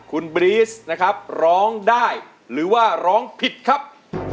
คุณบรีสนะครับร้องได้หรือว่าร้องผิดครับ